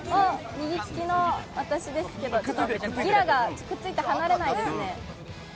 右利きの私ですけどギラがくっついて離れないですね。